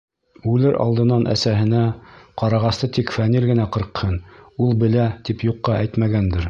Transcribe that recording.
Үлер алдынан әсәһенә, ҡарағасты тик Фәнил генә ҡырҡһын, ул белә, тип юҡҡа әйтмәгәндер.